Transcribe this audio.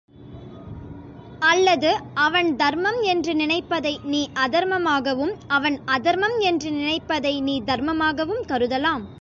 அல்லது அவன் தர்மம் என்று நினைப்பதை நீ அதர்மமாகவும், அவன் அதர்மம் என்று நினைப்பதை நீ தர்மமாகவும் கருதலாம்.